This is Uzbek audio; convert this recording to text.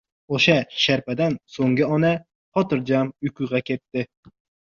Oʻsha sharpadan soʻnggina ona xotirjam uyquga ketadi.